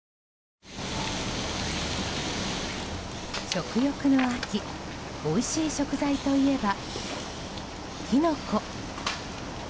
食欲の秋おいしい食材といえば、キノコ。